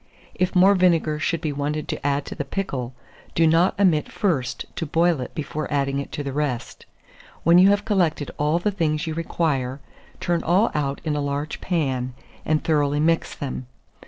If more vinegar should be wanted to add to the pickle, do not omit first to boil it before adding it to the rest. When you have collected all the things you require, turn all out in a large pan, and thoroughly mix them.